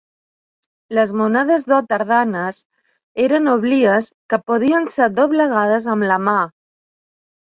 Les monedes d'or tardanes eren oblies que podien ser doblegades amb la mà.